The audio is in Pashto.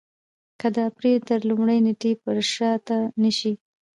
که د اپرېل تر لومړۍ نېټې پر شا نه شي.